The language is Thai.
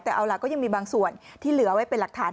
แต่เอาล่ะก็ยังมีบางส่วนที่เหลือไว้เป็นหลักฐาน